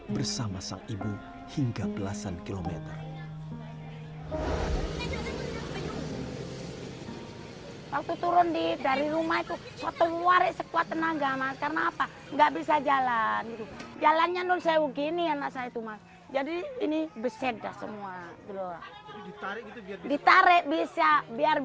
bersama sang ibu hingga belasan kilometer